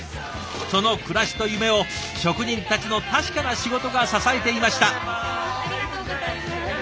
その暮らしと夢を職人たちの確かな仕事が支えていました。